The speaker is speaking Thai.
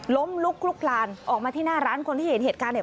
ล้มลุกลุกลานออกมาที่หน้าร้านคนที่เห็นเหตุการณ์เนี่ย